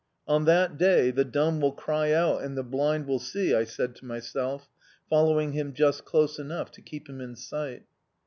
"On that day the dumb will cry out and the blind will see," I said to myself, following him just close enough to keep him in sight.